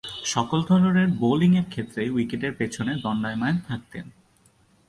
সকল ধরনের বোলিংয়ের ক্ষেত্রেই উইকেটের পিছনে দণ্ডায়মান থাকতেন।